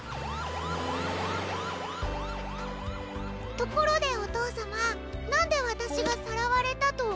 ところでおとうさまなんでわたしがさらわれたとおもったの？